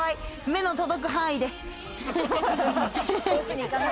目の届く範囲で。